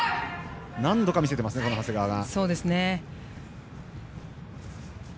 何度か見せていますね、長谷川が。